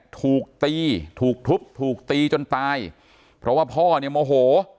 ถูกตีถูกทุบถูกตีจนตายเพราะว่าพ่อเนี่ยโมโห